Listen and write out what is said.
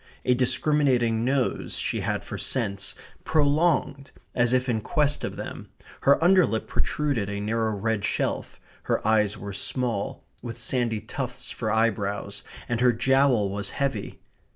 A discriminating nose she had for scents, prolonged, as if in quest of them; her underlip protruded a narrow red shelf; her eyes were small, with sandy tufts for eyebrows, and her jowl was heavy.